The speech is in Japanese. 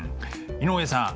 井上さん